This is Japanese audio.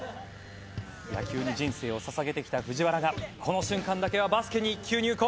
野球に人生を捧げてきた藤原がこの瞬間だけはバスケに一球入魂。